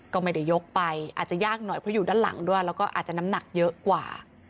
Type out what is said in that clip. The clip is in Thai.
ก็ไม่ได้ยกไปอาจจะยากหน่อยเพราะอยู่ด้านหลังด้วยแล้วก็อาจจะน้ำหนักเยอะกว่า